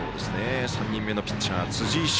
３人目のピッチャー辻井翔